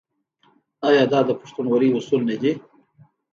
آیا دا د پښتونولۍ اصول نه دي؟